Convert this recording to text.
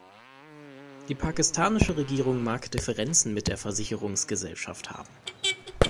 Die pakistanische Regierung mag Differenzen mit der Versicherungsgesellschaft haben.